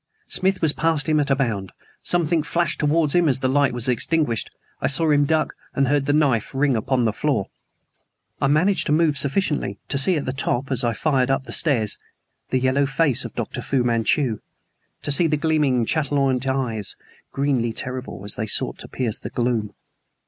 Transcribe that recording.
Smith was past him at a bound. Something flashed towards him as the light was extinguished. I saw him duck, and heard the knife ring upon the floor. I managed to move sufficiently to see at the top, as I fired up the stairs, the yellow face of Dr. Fu Manchu, to see the gleaming, chatoyant eyes, greenly terrible, as they sought to pierce the gloom.